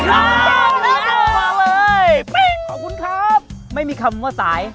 มาเลยขอบคุณครับไม่มีคำว่าสาย